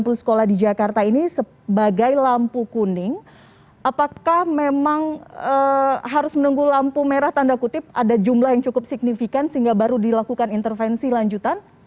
jadi kalau kita lihat sembilan puluh sekolah ini sebagai lampu kuning apakah memang harus menunggu lampu merah tanda kutip ada jumlah yang cukup signifikan sehingga baru dilakukan intervensi lanjutan